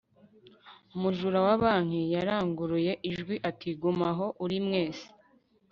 umujura wa banki yaranguruye ijwi ati guma aho uri, mwese